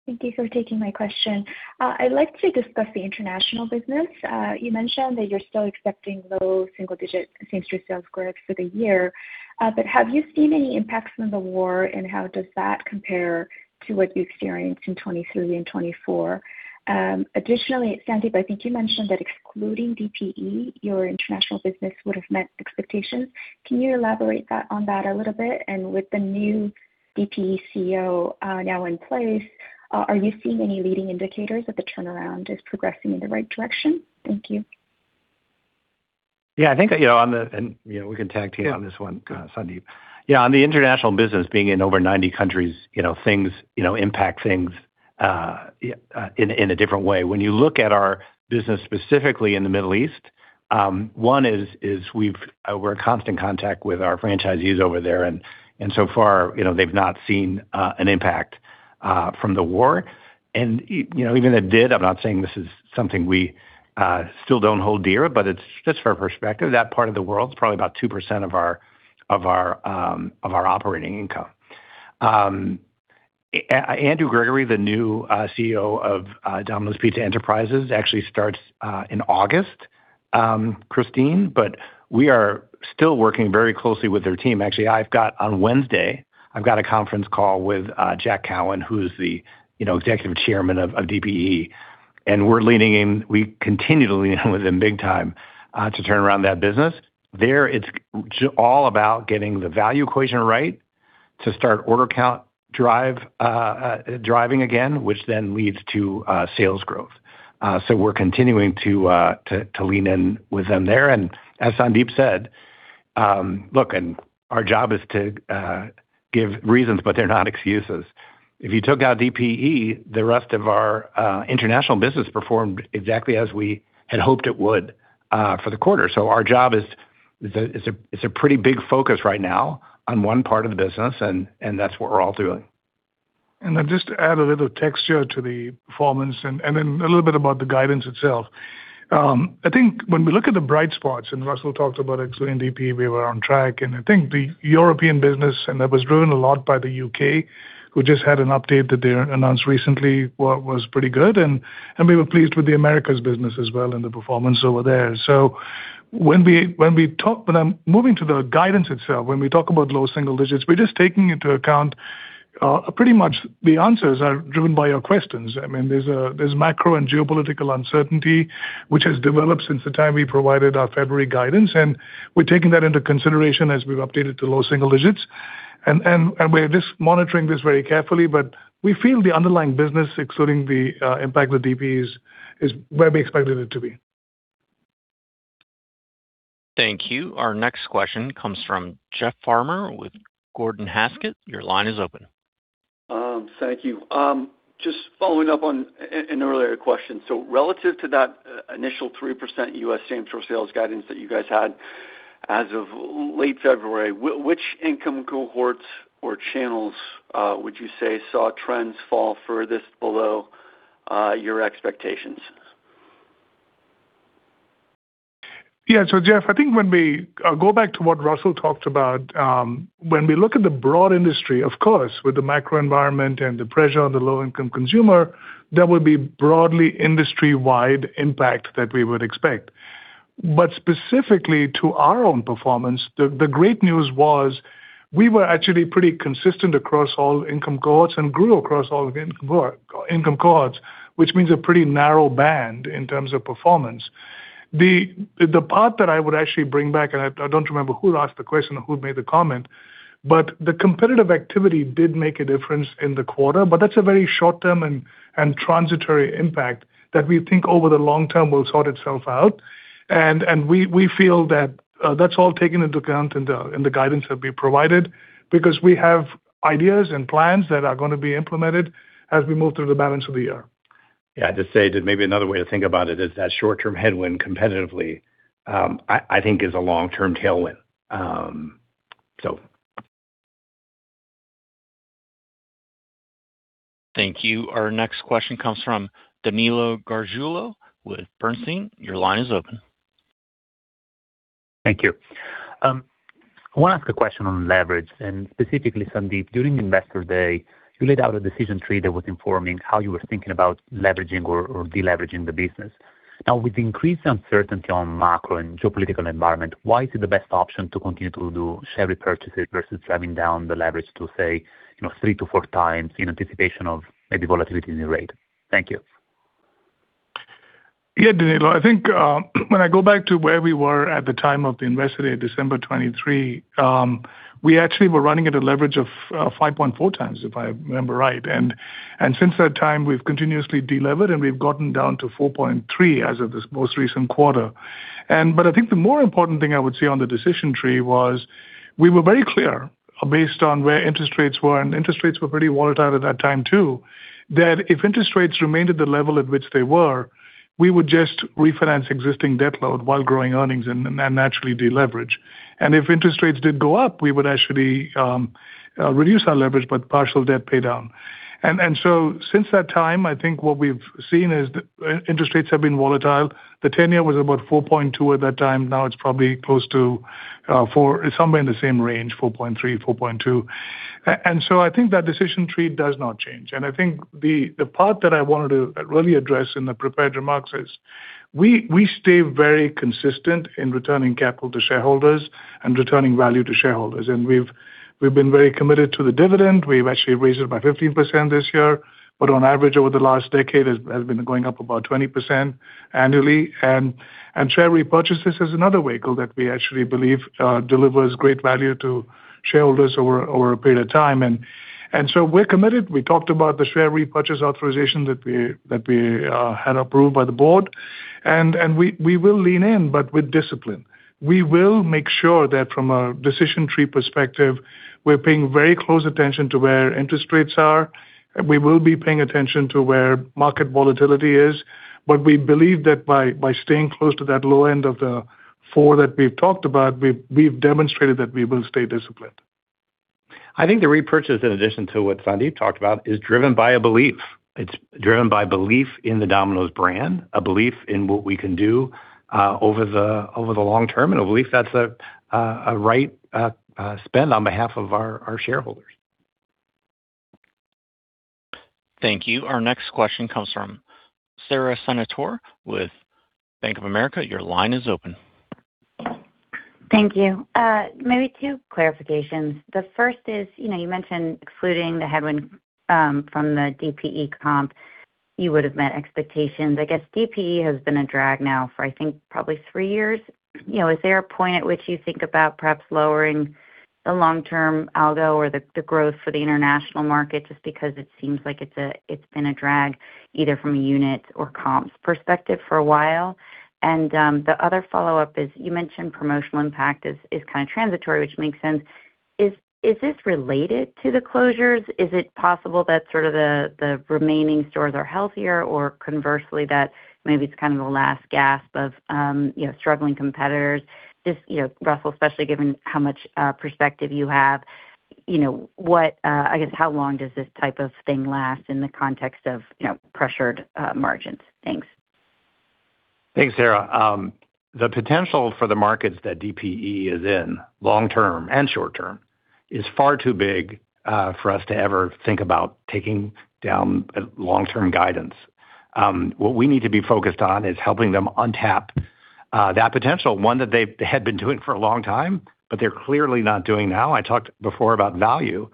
Speaker 15: Thank you for taking my question. I'd like to discuss the international business. You mentioned that you're still expecting low single-digit same-store sales growth for the year, but have you seen any impacts from the war, and how does that compare to what you experienced in 2023 and 2024? Additionally, Sandeep, I think you mentioned that excluding DPE, your international business would have met expectations. Can you elaborate on that a little bit? With the new DPE CEO now in place, are you seeing any leading indicators that the turnaround is progressing in the right direction? Thank you.
Speaker 3: Yeah, I think, you know, and, you know, we can tag team on this one.
Speaker 4: Yeah. Go ahead.
Speaker 3: Sandeep. Yeah, on the international business being in over 90 countries, you know, things, you know, impact things in a different way. When you look at our business specifically in the Middle East, we're in constant contact with our franchisees over there, and so far, you know, they've not seen an impact from the war. You know, even if it did, I'm not saying this is something we still don't hold dear, but it's just for perspective, that part of the world, it's probably about 2% of our operating income. Andrew Gregory, the new CEO of Domino's Pizza Enterprises, actually starts in August, Christine, but we are still working very closely with their team. Actually, on Wednesday, I've got a conference call with Jack Cowin, who's the, you know, Executive Chairman of DPE, and we're leaning in, we continue to lean in with him big time to turn around that business. It's all about getting the value equation right to start order count driving again, which then leads to sales growth. We're continuing to lean in with them there. As Sandeep said, look, our job is to give reasons, but they're not excuses. If you took out DPE, the rest of our international business performed exactly as we had hoped it would for the quarter. Our job is it's a pretty big focus right now on one part of the business, and that's what we're all doing.
Speaker 4: Then just to add a little texture to the performance and then a little bit about the guidance itself. I think when we look at the bright spots, and Russell talked about excluding DPE, we were on track. I think the European business, and that was driven a lot by the U.K., who just had an update that they announced recently, what was pretty good. We were pleased with the Americas business as well and the performance over there. I'm moving to the guidance itself. When we talk about low single digits, we're just taking into account pretty much the answers are driven by your questions. I mean, there's macro and geopolitical uncertainty, which has developed since the time we provided our February guidance, and we're taking that into consideration as we've updated to low single digits. We're just monitoring this very carefully. We feel the underlying business, excluding the impact with DPE, is where we expected it to be.
Speaker 1: Thank you. Our next question comes from Jeff Farmer with Gordon Haskett. Your line is open.
Speaker 16: Thank you. Just following up on an earlier question. Relative to that initial 3% U.S. same-store sales guidance that you guys had as of late February, which income cohorts or channels would you say saw trends fall furthest below your expectations?
Speaker 4: Yeah. Jeff, I think when we go back to what Russell talked about, when we look at the broad industry, of course, with the macro environment and the pressure on the low-income consumer, there will be broadly industry-wide impact that we would expect. Specifically to our own performance, the great news was we were actually pretty consistent across all income cohorts and grew across all income cohorts, which means a pretty narrow band in terms of performance. The part that I would actually bring back, and I don't remember who asked the question or who made the comment, but the competitive activity did make a difference in the quarter, but that's a very short term and transitory impact that we think over the long term will sort itself out. We feel that that's all taken into account in the guidance that we provided because we have ideas and plans that are gonna be implemented as we move through the balance of the year.
Speaker 3: Yeah. I'd just say that maybe another way to think about it is that short-term headwind competitively, I think is a long-term tailwind.
Speaker 1: Thank you. Our next question comes from Danilo Gargiulo with Bernstein. Your line is open.
Speaker 17: Thank you. I want to ask a question on leverage, and specifically, Sandeep, during Investor Day, you laid out a decision tree that was informing how you were thinking about leveraging or de-leveraging the business. Now, with increased uncertainty on macro and geopolitical environment, why is it the best option to continue to do share repurchases versus driving down the leverage to say, you know, 3x-4x in anticipation of maybe volatility in the rate? Thank you.
Speaker 4: Yeah. Danilo, I think, when I go back to where we were at the time of the Investor Day, December 2023, we actually were running at a leverage of 5.4x, if I remember right. Since that time, we've continuously delevered, and we've gotten down to 4.3x as of this most recent quarter. But I think the more important thing I would say on the decision tree was we were very clear based on where interest rates were, and interest rates were pretty volatile at that time too, that if interest rates remained at the level at which they were, we would just refinance existing debt load while growing earnings and naturally deleverage. If interest rates did go up, we would actually reduce our leverage, but partial debt pay down. Since that time, I think what we've seen is interest rates have been volatile. The 10-year was about 4.2% at that time. Now it's probably close to somewhere in the same range, 4.2%-4.3%. I think that decision tree does not change. I think the part that I wanted to really address in the prepared remarks is we stay very consistent in returning capital to shareholders and returning value to shareholders. We've been very committed to the dividend. We've actually raised it by 15% this year. But on average, over the last decade, has been going up about 20% annually. Share repurchases is another vehicle that we actually believe delivers great value to shareholders over a period of time. We're committed. We talked about the share repurchase authorization that we had approved by the board, and we will lean in, but with discipline. We will make sure that from a decision tree perspective, we're paying very close attention to where interest rates are. We will be paying attention to where market volatility is. We believe that by staying close to that low end of the 4x that we've talked about, we've demonstrated that we will stay disciplined.
Speaker 3: I think the repurchase, in addition to what Sandeep talked about, is driven by a belief. It's driven by belief in the Domino's brand, a belief in what we can do over the long term, and a belief that's a right spend on behalf of our shareholders.
Speaker 1: Thank you. Our next question comes from Sara Senatore with Bank of America. Your line is open.
Speaker 18: Thank you. Maybe two clarifications. The first is, you know, you mentioned excluding the headwind from the DPE comp, you would have met expectations. I guess DPE has been a drag now for, I think, probably three years. You know, is there a point at which you think about perhaps lowering the long term algo or the growth for the international market, just because it seems like it's been a drag either from a unit or comps perspective for a while. The other follow-up is you mentioned promotional impact is kind of transitory, which makes sense. Is this related to the closures? Is it possible that sort of the remaining stores are healthier or conversely that maybe it's kind of the last gasp of you know, struggling competitors? Just, you know, Russell, especially given how much perspective you have, you know, I guess, how long does this type of thing last in the context of, you know, pressured margins? Thanks.
Speaker 3: Thanks, Sara. The potential for the markets that DPE is in long term and short term is far too big for us to ever think about taking down long-term guidance. What we need to be focused on is helping them untap that potential, one that they had been doing for a long time, but they're clearly not doing now. I talked before about value.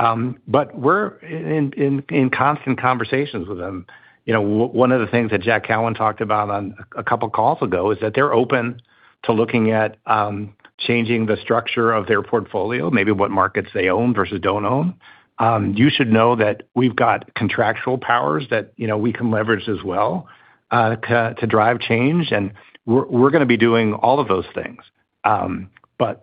Speaker 3: We're in constant conversations with them. You know, one of the things that Jack Cowin talked about on a couple of calls ago is that they're open to looking at changing the structure of their portfolio, maybe what markets they own versus don't own. You should know that we've got contractual powers that you know we can leverage as well to drive change, and we're gonna be doing all of those things.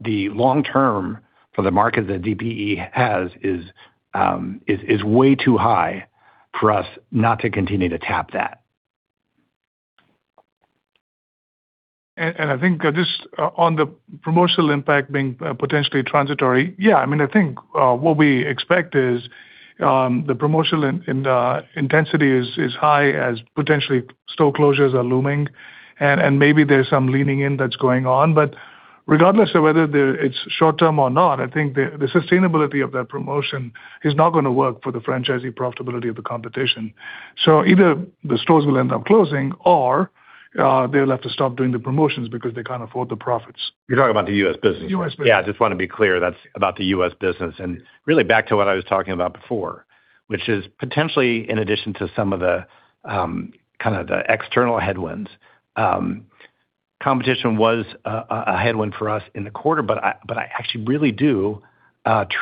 Speaker 3: The long term for the market that DPE has is way too high for us not to continue to tap that.
Speaker 4: I think just on the promotional impact being potentially transitory. Yeah, I mean, I think what we expect is the promotional intensity is high as potentially store closures are looming and maybe there's some leaning in that's going on. Regardless of whether it's short term or not, I think the sustainability of that promotion is not gonna work for the franchisee profitability of the competition. Either the stores will end up closing or they'll have to stop doing the promotions because they can't afford the profits.
Speaker 3: You're talking about the U.S. business.
Speaker 4: U.S. business.
Speaker 3: Yeah, I just want to be clear, that's about the U.S. business. Really back to what I was talking about before, which is potentially in addition to some of the kind of the external headwinds, competition was a headwind for us in the quarter. I actually really do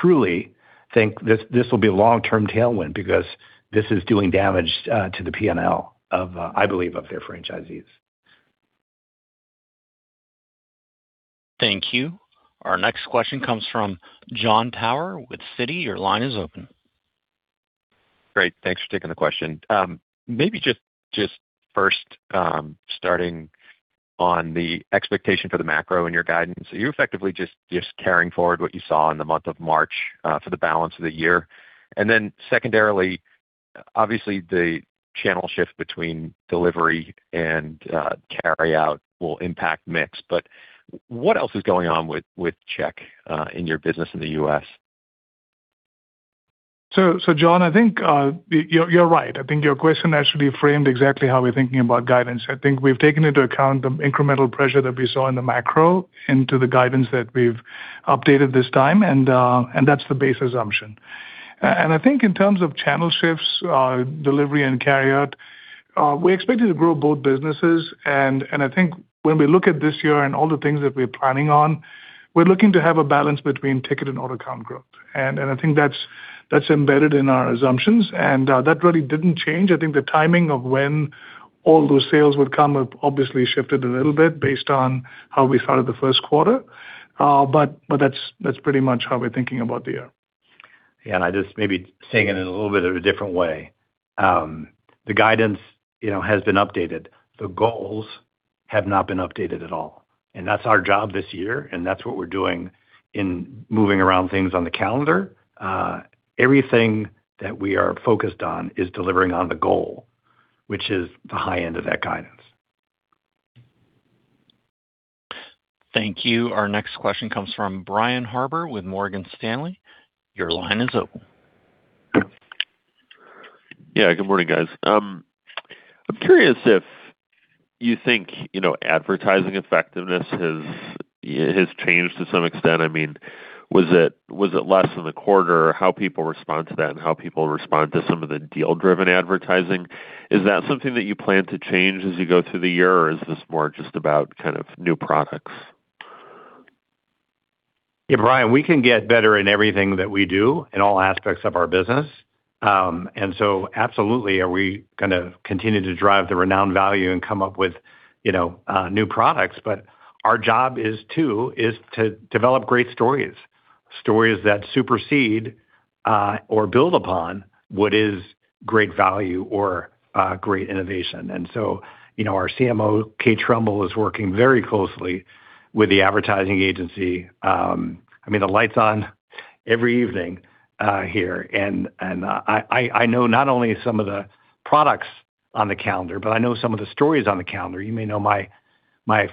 Speaker 3: truly think this will be a long-term tailwind because this is doing damage to the P&L of, I believe, of their franchisees.
Speaker 1: Thank you. Our next question comes from Jon Tower with Citi. Your line is open.
Speaker 19: Great. Thanks for taking the question. Maybe just first, starting on the expectation for the macro in your guidance. Are you effectively just carrying forward what you saw in the month of March for the balance of the year? Secondarily, obviously, the channel shift between delivery and carryout will impact mix, but what else is going on with check in your business in the U.S.?
Speaker 4: Jon, I think you’re right. I think your question actually framed exactly how we’re thinking about guidance. I think we’ve taken into account the incremental pressure that we saw in the macro into the guidance that we’ve updated this time, and that’s the base assumption. I think in terms of channel shifts, delivery and carryout, we’re expecting to grow both businesses. I think when we look at this year and all the things that we’re planning on, we’re looking to have a balance between ticket and order count growth. I think that’s embedded in our assumptions. That really didn’t change. I think the timing of when all those sales would come have obviously shifted a little bit based on how we started the first quarter. That's pretty much how we're thinking about the year.
Speaker 3: Yeah. I just maybe saying it in a little bit of a different way. The guidance, you know, has been updated. The goals have not been updated at all. That's our job this year, and that's what we're doing in moving around things on the calendar. Everything that we are focused on is delivering on the goal, which is the high end of that guidance.
Speaker 1: Thank you. Our next question comes from Brian Harbour with Morgan Stanley. Your line is open.
Speaker 20: Yeah, good morning, guys. I'm curious if you think, you know, advertising effectiveness has changed to some extent. I mean, was it less in the quarter? How people respond to that and how people respond to some of the deal-driven advertising, is that something that you plan to change as you go through the year, or is this more just about kind of new products?
Speaker 3: Yeah, Brian, we can get better in everything that we do in all aspects of our business. Absolutely are we gonna continue to drive the renowned value and come up with, you know, new products. Our job is to develop great stories that supersede, or build upon what is great value or, great innovation. You know, our CMO, Kate Trumbull, is working very closely with the advertising agency. I mean, the light's on every evening, here. I know not only some of the products on the calendar, but I know some of the stories on the calendar. You may know my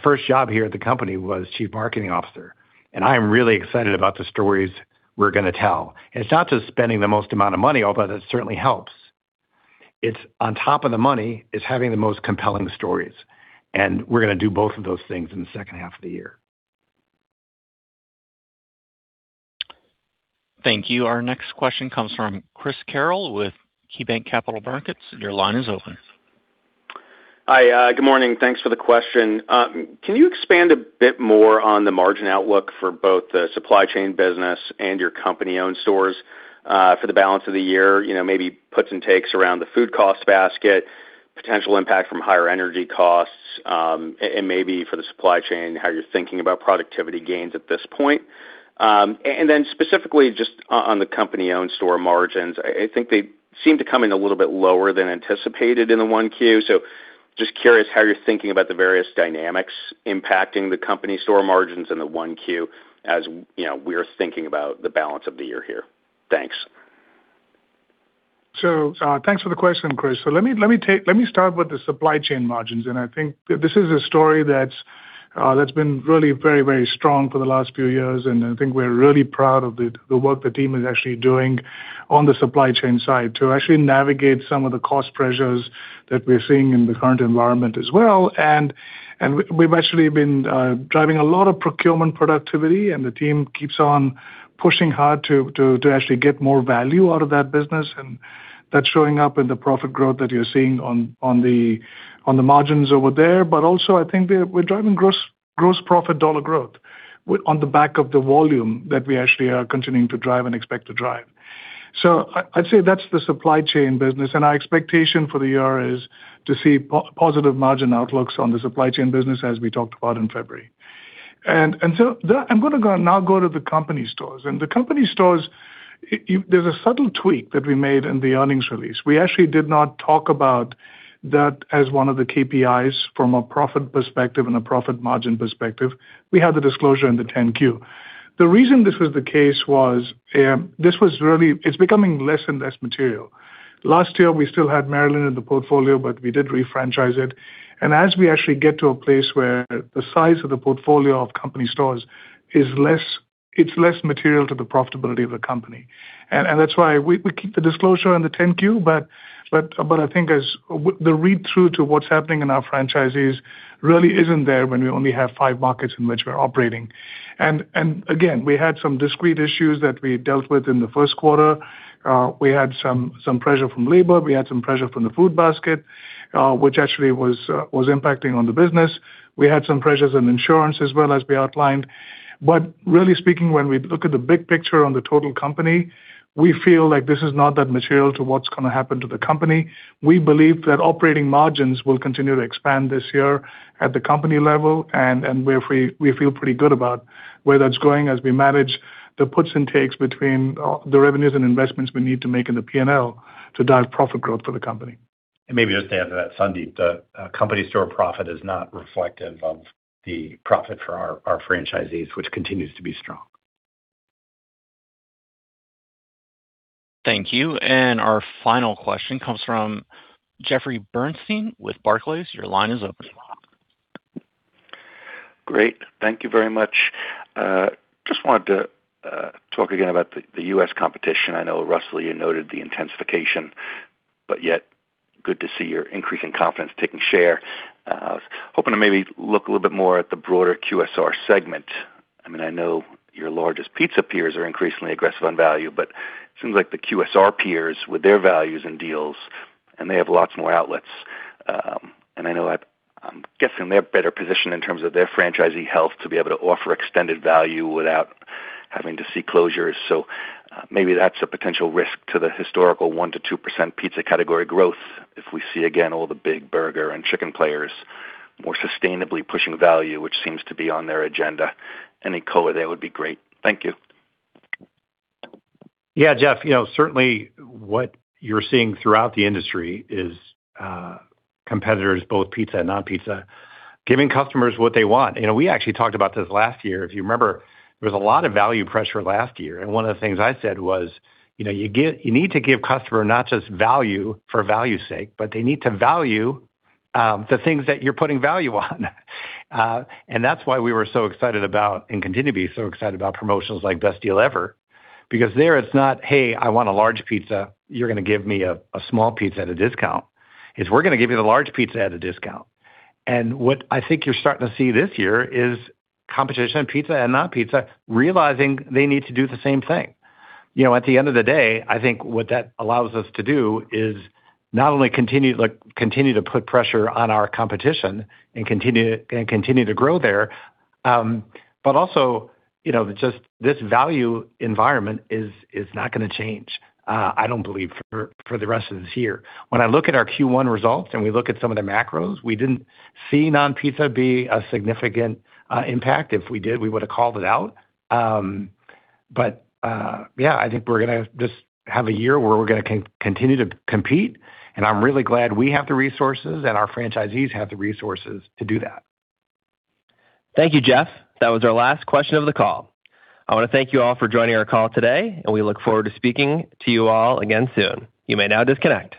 Speaker 3: first job here at the company was Chief Marketing Officer, and I am really excited about the stories we're gonna tell. It's not just spending the most amount of money, although that certainly helps. It's on top of the money, it's having the most compelling stories, and we're gonna do both of those things in the second half of the year.
Speaker 1: Thank you. Our next question comes from Chris Carril with KeyBanc Capital Markets. Your line is open.
Speaker 21: Hi, good morning. Thanks for the question. Can you expand a bit more on the margin outlook for both the supply chain business and your company-owned stores, for the balance of the year? You know, maybe puts and takes around the food cost basket, potential impact from higher energy costs, and maybe for the supply chain, how you're thinking about productivity gains at this point. And then specifically just on the company-owned store margins. I think they seem to come in a little bit lower than anticipated in the 1Q. So just curious how you're thinking about the various dynamics impacting the company store margins in the 1Q as, you know, we're thinking about the balance of the year here. Thanks.
Speaker 4: Thanks for the question, Chris. Let me start with the supply chain margins, and I think this is a story that's been really very strong for the last few years, and I think we're really proud of the work the team is actually doing on the supply chain side to actually navigate some of the cost pressures that we're seeing in the current environment as well. We've actually been driving a lot of procurement productivity and the team keeps on pushing hard to actually get more value out of that business, and that's showing up in the profit growth that you're seeing on the margins over there. Also I think we're driving gross profit dollar growth on the back of the volume that we actually are continuing to drive and expect to drive. I'd say that's the supply chain business and our expectation for the year is to see positive margin outlooks on the supply chain business as we talked about in February. I'm gonna now go to the company stores. The company stores, there's a subtle tweak that we made in the earnings release. We actually did not talk about that as one of the KPIs from a profit perspective and a profit margin perspective. We have the disclosure in the Form 10-Q. The reason this was the case was, this was really. It's becoming less and less material. Last year, we still had Maryland in the portfolio, but we did refranchise it. As we actually get to a place where the size of the portfolio of company stores is less, it's less material to the profitability of the company. That's why we keep the disclosure on the Form 10-Q, but I think the read-through to what's happening in our franchisees really isn't there when we only have five markets in which we're operating. Again, we had some discrete issues that we dealt with in the first quarter. We had some pressure from labor, we had some pressure from the food basket, which actually was impacting on the business. We had some pressures on insurance as well, as we outlined. Really speaking, when we look at the big picture on the total company, we feel like this is not that material to what's gonna happen to the company. We believe that operating margins will continue to expand this year at the company level and where we feel pretty good about where that's going as we manage the puts and takes between the revenues and investments we need to make in the P&L to drive profit growth for the company.
Speaker 3: Maybe just to add to that, Sandeep, the company store profit is not reflective of the profit for our franchisees, which continues to be strong.
Speaker 1: Thank you. Our final question comes from Jeffrey Bernstein with Barclays. Your line is open.
Speaker 22: Great. Thank you very much. Just wanted to talk again about the U.S. competition. I know Russell, you noted the intensification, but yet good to see your increase in confidence taking share. I was hoping to maybe look a little bit more at the broader QSR segment. I mean, I know your largest pizza peers are increasingly aggressive on value, but it seems like the QSR peers with their values and deals, and they have lots more outlets. And I know I'm guessing they're better positioned in terms of their franchisee health to be able to offer extended value without having to see closures. So maybe that's a potential risk to the historical 1%-2% pizza category growth if we see again all the big burger and chicken players more sustainably pushing value, which seems to be on their agenda. Any color there would be great. Thank you.
Speaker 3: Yeah, Jeff, you know, certainly what you're seeing throughout the industry is competitors, both pizza and non-pizza, giving customers what they want. You know, we actually talked about this last year. If you remember, there was a lot of value pressure last year, and one of the things I said was, you know, you need to give customers not just value for value's sake, but they need to value the things that you're putting value on. That's why we were so excited about, and continue to be so excited about promotions like Best Deal Ever, because there it's not, hey, I want a large pizza, you're gonna give me a small pizza at a discount. It's we're gonna give you the large pizza at a discount. What I think you're starting to see this year is competition, pizza and non-pizza, realizing they need to do the same thing. You know, at the end of the day, I think what that allows us to do is not only continue, like, continue to put pressure on our competition and continue to grow there, but also, you know, just this value environment is not gonna change, I don't believe for the rest of this year. When I look at our Q1 results and we look at some of the macros, we didn't see non-pizza be a significant impact. If we did, we would've called it out. Yeah, I think we're gonna just have a year where we're gonna continue to compete, and I'm really glad we have the resources and our franchisees have the resources to do that.
Speaker 2: Thank you, Jeff. That was our last question of the call. I wanna thank you all for joining our call today, and we look forward to speaking to you all again soon. You may now disconnect.